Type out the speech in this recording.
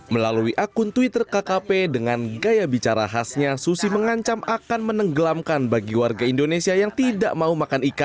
melalui akun twitter kkp dengan gaya bicara khasnya susi mengancam akan menenggelamkan bagi warga indonesia yang tidak mau makan ikan